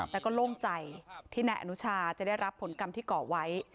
แต่ก็โล่งใจที่นายอนุชาจะได้รับผลกรรมที่ก่อไว้